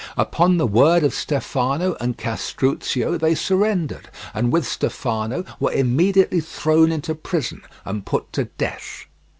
Upon the word of Stefano and Castruccio they surrendered, and with Stefano were immediately thrown into prison and put to death.